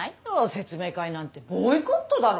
説明会なんてボイコットだろ。